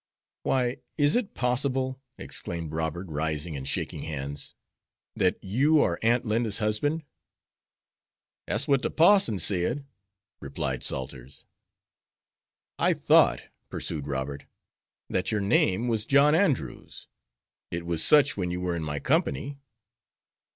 "Why, is it possible," exclaimed Robert, rising, and shaking hands, "that you are Aunt Linda's husband?" "Dat's what de parson sed," replied Salters. "I thought," pursued Robert, "that your name was John Andrews. It was such when you were in my company."